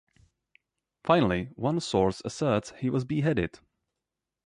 Finally, one source asserts he was beheaded.